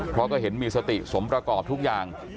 เพราะก็เห็นมีสติสมประกอบทุกอย่าง